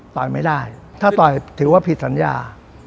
ไม่ได้ถ้าต่อยถือว่าผิดสัญญา